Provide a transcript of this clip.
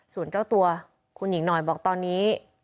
ส่วนเจ้าตัวคุณหญิงหน่อยบอกตอนนี้